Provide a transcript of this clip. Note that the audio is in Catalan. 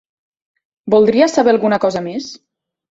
Voldria saber alguna cosa més?